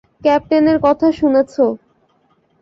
ক্যাপ্টেনের কথা শুনেছ।